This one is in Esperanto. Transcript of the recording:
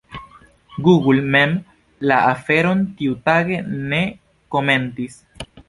Google mem la aferon tiutage ne komentis.